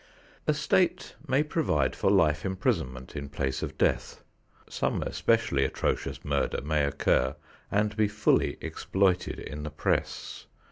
A state may provide for life imprisonment in place of death. Some especially atrocious murder may occur and be fully exploited in the press.